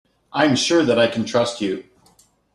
I am sure that I can trust you.